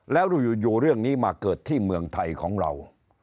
แล้วอยู่เรื่องนี้มาเกิดที่เมืองไทยของเรา